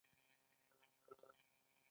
د پیتالوژي علم د درملنې بنسټ دی.